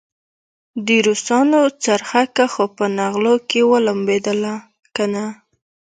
د روسانو څرخکه خو په نغلو کې ولمبېدله کنه.